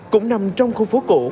cũng nằm trong khu phố cổ